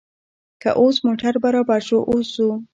که اوس موټر برابر شو، اوس ځو.